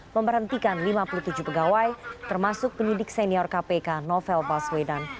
memberhentikan lima puluh tujuh pegawai termasuk penyidik senior kpk novel baswedan